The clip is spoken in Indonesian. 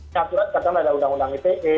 katakanlah ada undang undang ite